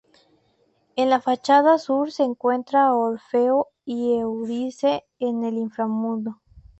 En la fachada sur se encuentran Orfeo y Eurídice en el inframundo.